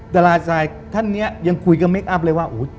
ดาราชายท่านนี้ยังคุยกับเมคอัพเลยว่า